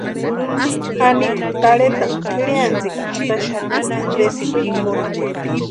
Anita tarhetarhu tʼirhiantsikwa jataxati Andresini jinkoni.